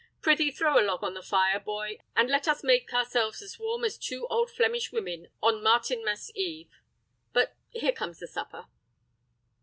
Prythee, throw a log on the fire, boy, and let us make ourselves as warm as two old Flemish women on Martinmas eve. But here comes the supper."